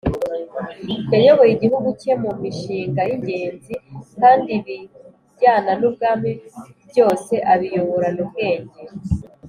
yayoboye igihugu cye mu mishinga y’ingenzi kandi ibijyana n’ubwami byose abiyoborana ubwenge.